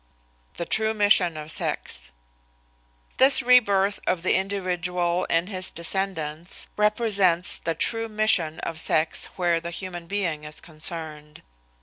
THE TRUE MISSION OF SEX This rebirth of the individual in his descendants represents the true mission of sex where the human being is concerned.